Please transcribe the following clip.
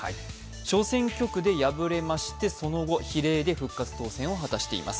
小選挙区で敗れまして、その後比例で復活当選を果たしています。